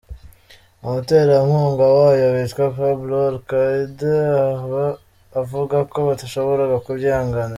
Umuterankunga wayo witwa Pablo Alcaide akaba avuga ko batashoboraga kubyihanganira.